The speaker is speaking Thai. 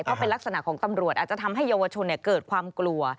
เพราะเป็นลักษณะของตำรวจอาจจะทำให้เยาวชนเกิดความกลัว